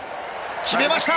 決めました。